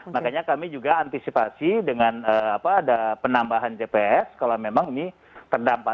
makanya kami juga antisipasi dengan ada penambahan jps kalau memang ini terdampak